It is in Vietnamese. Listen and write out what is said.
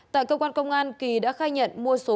tại cơ quan công an kỳ đã khai nhận mua số ma túy hai gói ma túy